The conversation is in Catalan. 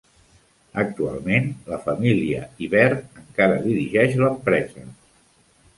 Actualment, la família Yvert encara dirigeix l'empresa.